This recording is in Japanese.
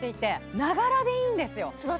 ながらでいいんですよ。